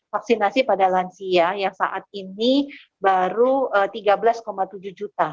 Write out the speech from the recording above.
vaksinasi pada lansia yang saat ini baru tiga belas tujuh juta